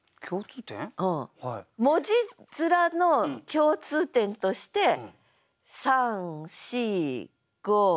文字面の共通点として３４５辺り？